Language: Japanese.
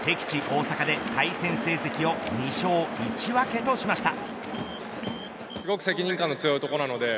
大阪で対戦成績を２勝１分としました。